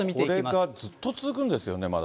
これがずっと続くんですよね、まだ。